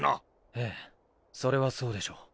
ええそれはそうでしょう。